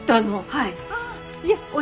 はい。